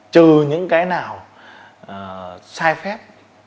trừ những cái nào sai phép